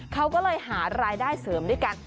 เขาก็เลยหารายได้เสริมด้วยกัน